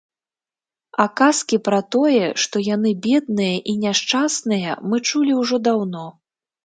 А казкі пра тое, што яны бедныя і няшчасныя, мы чулі ўжо даўно.